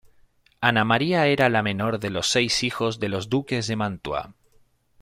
Ana María era la menor de los seis hijos de los duques de Mantua.